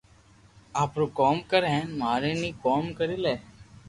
آپرو ڪوم ڪر ھين مارو بي ڪوم ڪرو لي